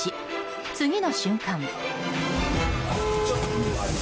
次の瞬間。